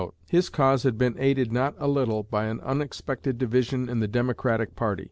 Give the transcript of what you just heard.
[A] His cause had been aided not a little by an unexpected division in the Democratic party.